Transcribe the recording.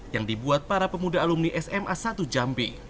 yang dibuat para pemuda alumni sma satu jambi